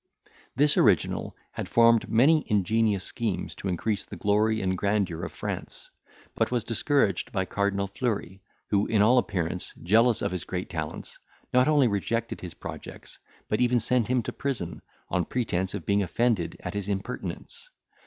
This original had formed many ingenious schemes to increase the glory and grandeur of France, but was discouraged by Cardinal Fleury, who, in all appearance, jealous of his great talents, not only rejected his projects, but even sent him to prison, on pretence of being offended at his impertinence.